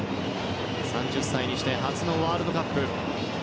３０歳にして初のワールドカップ。